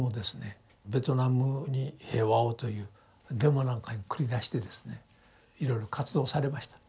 ベトナムに平和をというデモなんかに繰り出してですねいろいろ活動されました。